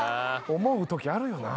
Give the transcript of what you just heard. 思うときあるよな